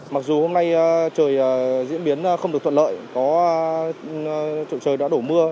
mặc dù hôm nay trời diễn biến không được thuận lợi trời đã đổ mưa